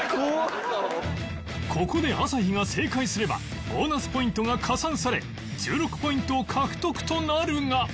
ここで朝日が正解すればボーナスポイントが加算され１６ポイントを獲得となるが